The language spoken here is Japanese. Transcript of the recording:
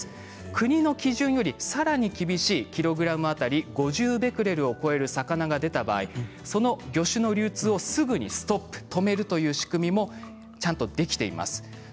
国の基準よりさらに厳しい５０ベクレルを超える魚が出た場合、その魚種の流通をすぐに止めるという仕組みもできています。